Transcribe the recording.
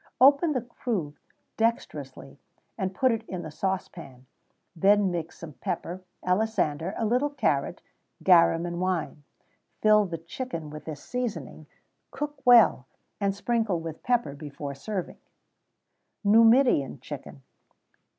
_ Open the croup dexterously, and put it in the saucepan; then mix some pepper, alisander, a little carrot, garum, and wine; fill the chicken with this seasoning; cook well, and sprinkle with pepper before serving.[XVII 33] _Numidian Chicken.